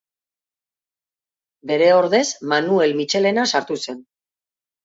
Bere ordez Manuel Mitxelena sartu zen.